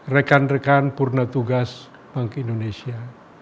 rekan rekan purna tugas bank indonesia